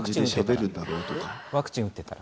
ワクチン打ってたら。